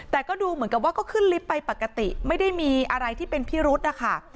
แต่ก็ดูเหมือนกับว่าก็ขึ้นลิฟต์ไปปกติไม่ได้มีอะไรที่เป็นพิรุธนะคะ